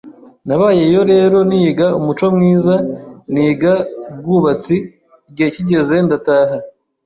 Nabayeyo rero niga umuco mwiza niga ubwubatsi, igihe kigeze ndataha,